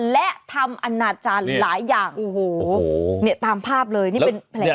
และทำอนาจารย์หลายอย่างโอ้โหเนี่ยตามภาพเลยนี่เป็นแผล